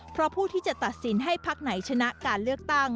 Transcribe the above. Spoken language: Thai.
เพราะผู้ที่จะตัดสินให้พักไหนชนะการเลือกตั้ง